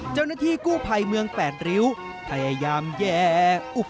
เจ้าหน้าที่กู้ภัยเมือง๘ริ้วพยายามแย่